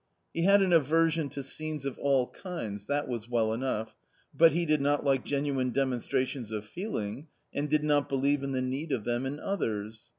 He had an aversion to scenes of all kinds — that was well enough; but he did not like genuine demonstrations of feeling, and did not believe in the need of them in others.